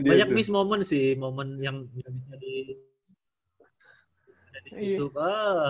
banyak miss moment sih moment yang bisa di youtube